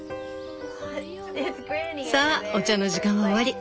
「さあお茶の時間は終わり！